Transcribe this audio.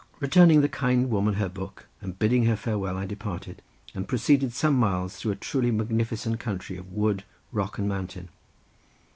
Returning the kind woman her book, and bidding her farewell I departed, and proceeded some miles through a truly magnificent country of wood, rock, and mountain.